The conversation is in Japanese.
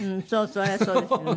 そりゃそうですよね。